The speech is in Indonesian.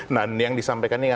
nah yang disampaikan ini